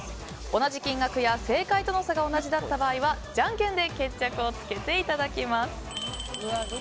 同じ金額や正解との差が同じだった場合はじゃんけんで決着をつけていただきます。